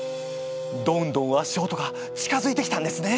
どんどん足音が近づいてきたんですね。